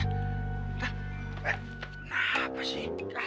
eh kenapa sih